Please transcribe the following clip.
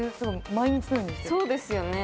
そうですよね。